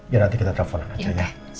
ya nanti kita telepon aja ya